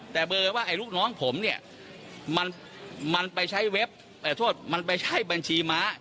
แต่เบอร์ว่าลูกน้องผมเนี่ยมันไปใช้บัญชีม้า